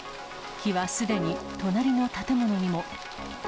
火はすでに隣の建物にも。